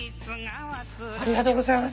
ありがとうございます。